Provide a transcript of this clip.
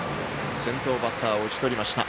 先頭バッターを打ち取りました。